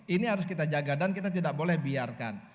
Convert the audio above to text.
ini harus kita jaga dan kita tidak boleh biarkan